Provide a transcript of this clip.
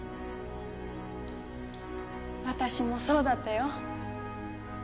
私もそうだったよ。